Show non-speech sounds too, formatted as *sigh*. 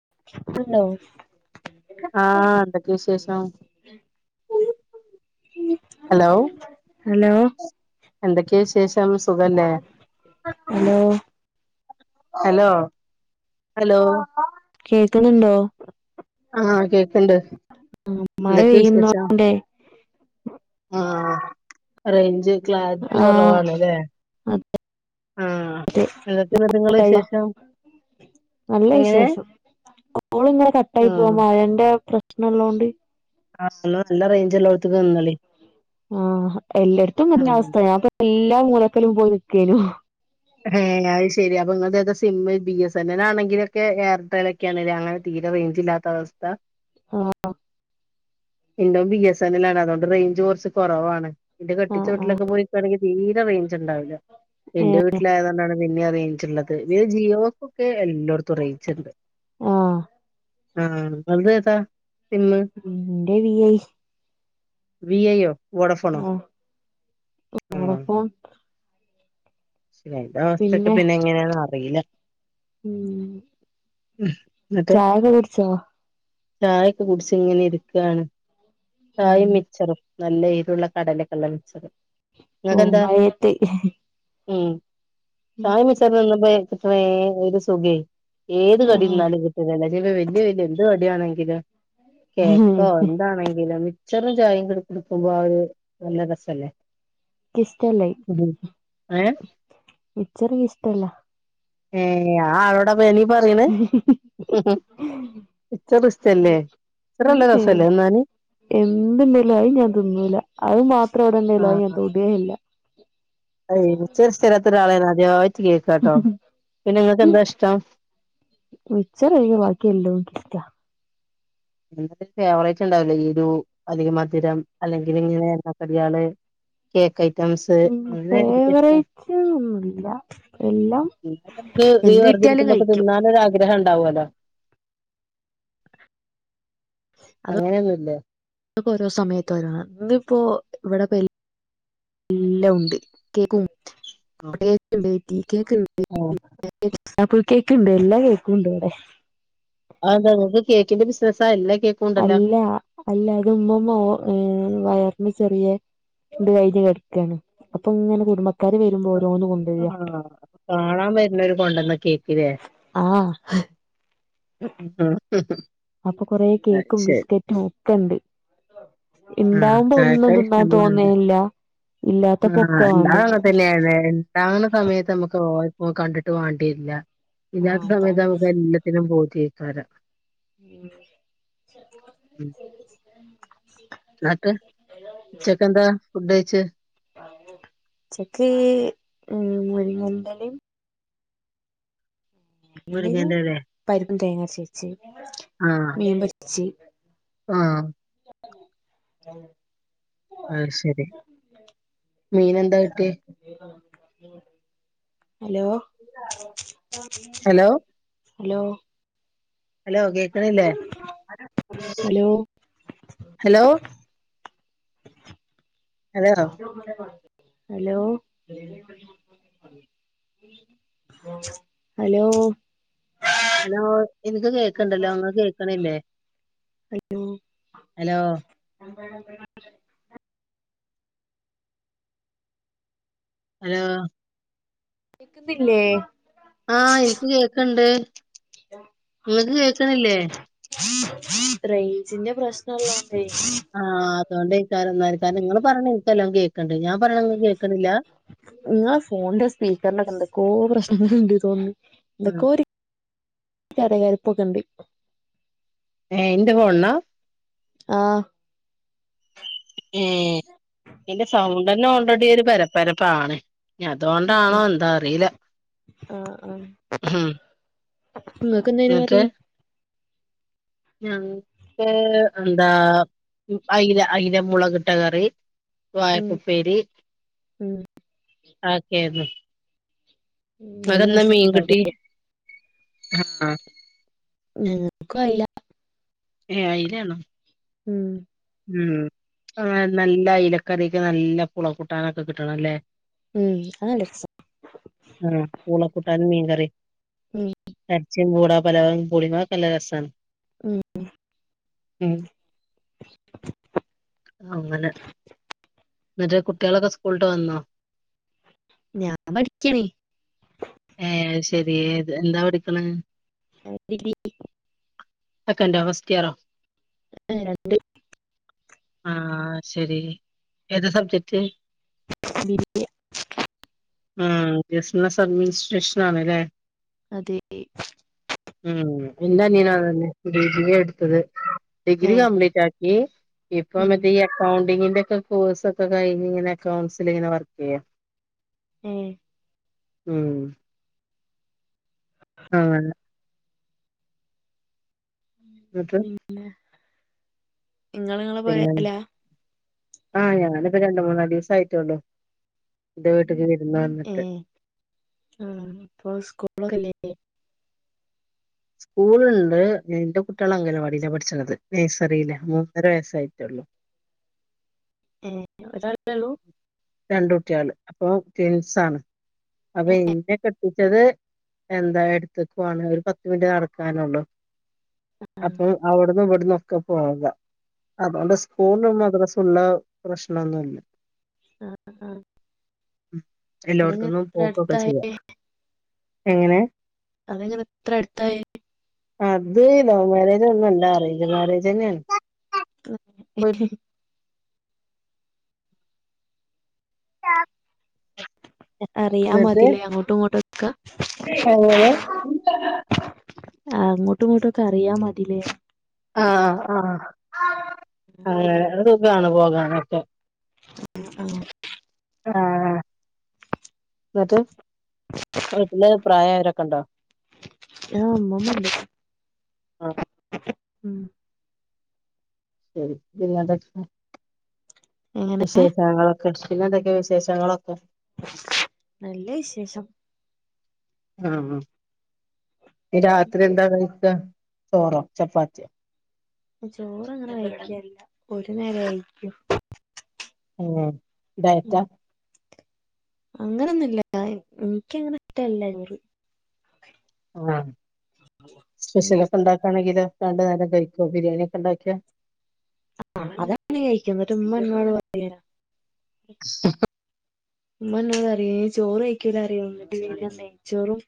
*unintelligible* ആഹ് എന്തൊക്കെ വിശേഷം? Hello hello എന്ത ക്കെ ശേഷം സുഖല്ലെ? ഹലോ ഹലോ ഹലോ കേക്ണ് ണ്ടോ? ആ കേക്ക്ണ്ട് മഴ എന്തെക്കെ വിശേഷം? പെയ്യുന്നോണ്ടേ ആ റേഞ്ച് ക്ലാര്റ്റി ആഹ് കൊറവാണ് ലെ? ആ അതെ ന്തൊക്കെ ന്നട്ട് ങ്ങളെ കട്ടായോ വിശേഷം? നല്ല എങ്ങനെ വിശേഷം. കോൾ ങ്ങനെ കട്ടായി പോ ഉം മയന്റെ പ്ര നല്ലോണ്ട് ആഒന്ന് നല്ല റേഞ്ച്ള്ളോട്ത്ത്ക്ക് നിന്നോളി. മ്മ്. എല്ലട്ത്തും ഇങ്ങൻതന്നെ ഉം അവസ്ഥ. ഞാൻ പ്പൊ എല്ലാ മൂലക്കലും പോയ് നിക്കേനു. ങ്ങേ, അത് ശരി. അപ്പൊ നിങ്ങക്ക് ഏതാ sim? B S N L ആണെങ്കിലൊക്കെ, എയർടെൽ ക്കെ ആണ്ല്ലേ? അങ്ങനെ ഇവിടെ റേഞ്ചില്ലാത്ത അവസ്ഥ അ ആ. എന്തും ബി എസ് എൻല് ആണ് അതുകൊണ്ട് റേഞ്ച് കോറച്ച് കുറവാണ്. എന്റെ കെട്ടിച്ച ആഹ് ആഹ് വീട്ടിലൊക്കെ പോയ്ക്കാണെങ്കി തീരെ റേഞ്ച്ണ്ടാവ്ല്ല. എന്റെ ഏഹ് വീട്ടി അതോണ്ടാണ് പിന്നെ റെയ്ന്ജ്ള്ളക്. ബേ ജിയോക്ക് ഒക്കെ എല്ലായിടത്തും റേയിഞ്ച്ണ്ട് ആ ആ. തന്റെ ഏതാ? സിമ്മ് ഉം. ന്റെ വി. ഐ. വി. ഐ യോ? വോടാഫോണോ? ആഹ് ആ. വോഡഫോൺ *unintelligible* അവസ്ഥക്കെ പിന്നെ എങ്ങനെയാണെന്ന് അറിയില്ല. ഉം. ഉം എന്നിട്ട് ചായക്കെ കുടിച്ചോ? ചായൊക്കെ കുടിച്ച് ഇങ്ങനെ ഇരിക്കാണ്. ചായിം ഉം മിച്ചറൂം. നല്ല എരുള്ള, കടലൊക്കെള്ള മിച്ചർ. ഓ മഴത്ത് ഉം. ചായിം, മിച്ചറും, തിന്നുമ്പോ കിട്ടണ ഏ ഒരു സുഖേ ഏത് ആഹ് കടിന്നാലും കിട്ടുന്നല്ല. ഇഞ്പ്പൊ വലിയ, വലിയ എന്ത് കടിയാണെങ്കിലും. കേക്കോ, എന്താണെങ്കിലും. മിച്ചറും, ചായിം കൂടെ കുടിക്കുമ്പോ ആ ഒരു നല്ല രസല്ലേ? ക്ക് ഷ്ട്ടല്ലേയ്, ഉം. ഏഹ് മിച്ചർ ക്ക്ഷ്ടല്ല. ഏ, ആ ആളോടപ്പോ ഞാനീ പറീണ്. മിച്ചർ ഇഷ്ടല്ലേ? മിച്ചർനല്ല രസല്ലേ തിന്നാന്? എന്തുണ്ടാലുംഅയ് ഞാൻ തിന്നൂല. അത് മാത്രം അവിടെ ണ്ടേൽ അയ് ഞാൻ തൊടേല്ല. അയ്, മിച്ചർ ഇഷ്ടല്ലാത്തൊരാളെ ഞാൻ ആദ്യായി ച് കേക്കാട്ടോ. പിന്നെ ങ്ങക്ക്ന്താ ഇഷ്ടം? മിച്ചർ ഒഴിഞ് ബാക്കി എല്ലൊം ക്കിഷ്ടാ. എന്തെങ്കിലും ഫേവറേറ്റ് ഉണ്ടാവില്ലേ? എരു, അല്ലയ് മധുരം, അല്ലെങ്കി ങ്ങനെ എണ്ണാക്കടിയാള്? കേക്കെയ്. ഉം. ഫേവറേറ്റ് ഒന്നുംല്ല. എല്ലാം. പിന്നെ നമക്ക് ഈ എന്ത് കിട്ടിയാലും വെറുതെരിക്കുമ്പൊക്ക കഴിക്കും തിന്നാനൊരാഗ്രഹ *unintelligible* ണ്ടാവോലോ? അതൊക്കെ ഓരോ സമയത്ത് ഓരോന്നാ. ഇന്ന്പ്പോ, ഇവിടെപ്പം എ *inaudible* എല്ലാം ഉണ്ട്. കേക്കും *unintelligible* കേക്ക് ണ്ട്. ആഹ് *unintelligible* ഡബിൾ കേക്ക് ഇണ്ട്. എല്ലാ കേക്കുണ്ട് വിടെ. അതെന്താ? ങ്ങക്ക് കേക്കിന്റെ ബിസിനസ്സാ? എല്ലം അല്ല, അല്ല. ഇത് ഇമ്മുമ്മ ഓ ഏ *unintelligible* ഉമ്മി ചെറിയ *unintelligible* കഴിഞ്ഞ് കെട്ക്കാണ്. അപ്പൊ ഇങ്ങനെ കുടുംബ ക്കാര് വെരുമ്പോ ഓരോന്ന് കൊണ്ടെരാ. ആഹ് കാണാൻ വരുന്നോര് കൊണ്ടന്ന കേക്കില്ലേ ആ *unintelligible* ആ *unintelligible* അപ്പൊ കൊറേ കേക്കും, ബിസ്കറ്റും ഒക്കെ ഇണ്ട്. ആഹ് ഇണ്ടാവുമ്പോ ഒന്നും തിന്നാൻ തോന്നേല്ല. ആ. ണ്ടാവുമ്പോ അങ്ങൻതന്നെണ്. ഇണ്ടാവണ സമയത്ത് നമ്മുക്ക് *unintelligible* ഓ കണ്ടിട്ട് വാണ്ടിര്ല. ആഹ് ഇലാത്ത സമയത്ത് അതാണ് നമുക്ക് എല്ലാത്തിനും പൂതിയെയ്ക്കാരം. ഉം. ഉം ന്നട്ട് *unintelligible* ഉച്ചക്കെന്താ ഫുഡ് കഴിച്ച് *unintelligible* ഉച്ചക്ക് ഉം മുരിങ്ങന്റെലിം മുരിങ്ങന്റെലയാ തേങ്ങരച്ച്വെച്ച് മീൻ പൊരിച്ച് ആം *inaudible* അയ് ശരി. മീനെന്തെയിടെ? *unintelligible* ഹലോ? Hello *inaudible* hello? ഹലോ? കേക്കണില്ലേ? Hello *inaudible* hello? Hello hello hello hello എനിക്ക് കേക്കണ്ടല്ലോ ങ്ങ കേക്കണില്ലേ ഹലോ ഹലോ *unintelligible* ഹലോ കേക്ക്ന്നില്ലേ ആ എനിക്ക് കേക്കണ്ട് ഇങ്ങക്ക് കേക്കണില്ലേ *inaudible* റേയ്ഞ്ചിന്റെ പ്രശ്നല്ലോണ്ടേ അതൊണ്ടേക്കാരം കാരണം നിങ്ങള് പറേണേ ഇനക്കെല്ലാം കേൾക്കണ്ട് ഞാൻ പറേണേ ങ്ങക്ക് കേക്കണില്ല ങ്ങളെ ഫോണിന്റെ സ്പീക്കറിനൊക്കെ എന്തൊക്കോ പ്രശ്നങ്ങളുണ്ട്ന്ന് തോന്ന്ണ് എന്തൊക്കോര് കരകരെപ്പൊക്കെണ്ട് ഏ എന്റെ ഫോണ് ന്നാ ആ ഏ ന്റെ സൗണ്ട് തന്നെ ഓൾറെഡി ഒരു പരപ്പരപ്പാണ് ഇഞ് അതുകൊണ്ടാണോ എന്താറിയില്ല മ് നിങ്ങക്കെന്തേനു കറി ഞങ്ങ്ക്ക് എന്താ അയ്ല അയ്ല മുളകിട്ട കറി ഉം വായക്കുപ്പേരി ഉം ആക്കെയരുന്നു ഉം നല്ല വടെന്ന് രസണ്ടാവുലേ മീൻകിട്ടി ആ ഞങ്ങക്കും അയില ഏ അയിലണോ ഉം ഉം നല്ല അയ്ലക്കറിക്ക് നല്ല പുള കൂട്ടാനൊക്കെ കിട്ടണല്ലേ ഉം അത് നല്ല രസാ തൻമീങ്കറി ഉം എറച്ചീം പൂള പലവകിം പൂളീം അതൊക്ക ല്ല രസാണ് ഉം ഉം അങ്ങനെ മറ്റേ കുട്ടികളൊക്കെ സ്കൂളിട്ട് വന്നോ ഞാൻ പഠിക്കണീ ഏ അയ് ശെരി എ എന്താ പഠിക്കണ് ഡിഗ്രി സെക്കന്റോ ഫസ്റ്റ് ഇയറോ അല്ല തെഡ് ആ ശരി ഏതാ സബ്ജക്റ്റ് *unintelligible* ഉം ബിസ്നസ് അഡ്മിനിസ്ട്രേഷൻ ആണല്ലേ അതെ ഉം ന്റെ അനിയനും അതന്നെ ഡിഗ്രിയാ എടുത്തത് ഡിഗ്രി ഏഹ് കംപ്ലീറ്റാക്കി ഇപ്പ ഉം മറ്റേ ഈ അക്കൗണ്ടിങ്ങി തൊക്കെ കോഴ്സോക്കെ കഴിഞ്ഞ് ഇങ്ങനെ അകൗൺസിലിങ്ങനെ വർക്ക് ചെയ്യാ ഉം ഉം ആഹ് അല്ല ന്നട്ട് ഇങ്ങള് ഇങ്ങളെ പൊരേലാ. ആഹ ഞങ്ങളിപ്പോ രണ്ട് മൂന്നാലീസായിട്ടള്ളു ഇ വീട്ടക്ക് ഏഹ് ആഹ് പ്പൊ സ്കൂളൊക്കല്ലേല്ലെ സ്കൂളുണ്ട് എന്റെ കുട്ടികളങ്ങനവാടിയില പഠിച്ചണത് നേഴ്സറിയില മൂന്നര വയസ്സായിട്ടുള്ളൂ *inaudible* ഏഹ് ഒരാളേ ള്ളൂ. രണ്ട് കുട്ട്യാള്, അപ്പൊ ട്വിൻസാണ്. അപ്പൊ ഇന്നെ കെട്ടിച്ചത് എന്താ എട്ത്തുക്കുവാണ് ഒരു പത്ത് മിനിറ്റ് നടക്കാനൊള്ളു. ആഹ് അപ്പൊ അവിടന്നും ഇവട്ന്നും ഒക്കെ പോകാ. അതോണ്ട് ആഹ് സ്കൂൾനും മദ്രസും ഉള്ള പ്രശ്നൊന്നുല്ല. ഉം അതെങ്ങനെ എല്ലോട്ത്തുന്നും ഇത്ര പോകൊക്കെ ചെയ്യാ. അടുത്തായേ എങ്ങനെ? അതെങ്ങനെ ഇത്ര അടുത്തായെ? അത് ലവ് മാരേജ് ഒന്നും അല്ല. അറേഞ്ച് മാരേജന്നേണ്. *unintelligible* അറിയാം മതി ല്ലേ അങ്ങോട്ടും ഇങ്ങോട്ടും ഒക്ക. എങ്ങനെ. ആ അങ്ങോട്ടും ഇങ്ങോട്ടു ഒക്കെ അറിയാ മതി ലേ? ആഹ് ആഹ് അങ്ങനെ സുഖാണ് പോകാനൊക്കെ. മം ആഹ് ആഹ് ന്നട്ട് വീട്ടില് പ്രായായോരൊ ക്കെണ്ടോ? ആഹ് ഉമ്മമ്മ ണ്ട്. ആഹ് ഉം ശരി. പിന്നെന്തൊക്കെ എങ്ങനെ വിശേഷങ്ങളൊക്കെ? പിന്നെന്തൊക്കെ വിശേഷങ്ങളൊക്കെ? നല്ല വിശേഷം. ആഹ് മം ഞ് രാത്രി എന്താ കഴിക്കാ ചോറോ ചപ്പാത്തിയോ? ചോറ് അങ്ങനെ കഴിക്കേല്ല ഒരു നേരേ കഴിക്കൂ. ഉം ഡയറ്റാ? ഉം അങ്ങനൊന്നുല്ല. ഇൻക്കങ്ങനെ ഇഷ്ടല്ല ചോറ്. ആഹ് ഉം സ്പെഷ്യല് ഒക്കെ ഉണ്ടാക്കാണെങ്കിലൊ. രണ്ട് നേരം കഴിക്കോ ബിരിയാണിയൊക്കെ ഉണ്ടാക്കിയാ. ആ അതാണെ കഴിക്കും ഇന്നട്ടുമ്മ ന്നോട് പറയാ. *unintelligible* ഉമ്മ ഇന്നോട് പറിം യ് ചോറ് കയിക്കൂല പർയും ഇന്നട്ട് പിന്നെ നെയ്ച്ചോറും